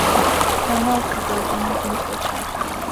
担孢子的真菌所产生的。